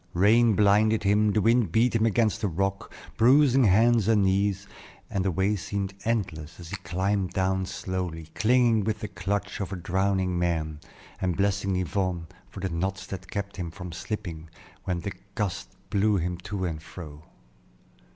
Rain blinded him, the wind beat him against the rock, bruising hands and knees, and the way seemed endless, as he climbed slowly down, clinging with the clutch of a drowning man, and blessing Yvonne for the knots that kept him from slipping when the gusts blew him to and fro.